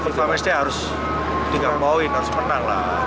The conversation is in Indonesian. fifa match day harus tinggal mawin harus menang lah